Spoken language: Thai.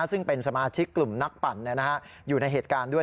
ซึ่งเป็นสมาชิกกลุ่มนักปั่นอยู่ในเหตุการณ์ด้วย